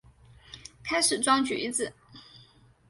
开始装橘子